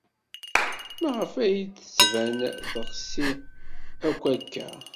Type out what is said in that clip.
Maɣef ay d-tettban teɣsi akk akka?